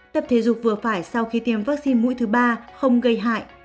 tập thể dục vừa phải sau khi tiêm vaccine mũi thứ ba không gây hại